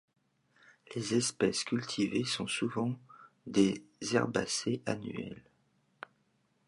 Les espèces cultivées sont souvent des herbacées annuelles.